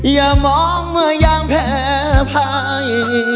อย่ามองเมื่อย่างแผบให้